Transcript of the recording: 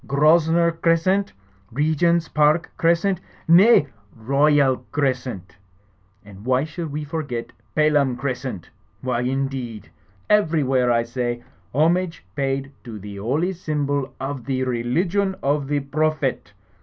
Grosvenor Crescent ! Regent's Park Crescent ! Nay, Royal Crescent! And why should we forget Pelham Crescent? Why, indeed? Ever3rwhere, I say, homage paid to the holy symbol of the religion of the Prophet!